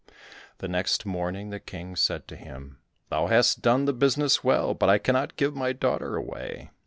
The next morning the King said to him, "Thou hast done the business well, but I cannot give my daughter away.